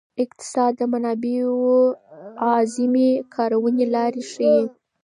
اقتصاد د منابعو اعظمي کارونې لارې ښيي.